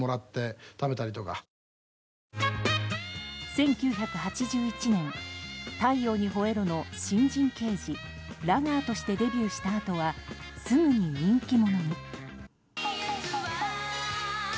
１９８１年「太陽にほえろ！」の新人刑事ラガーとしてデビューしたあとはすぐに人気者に。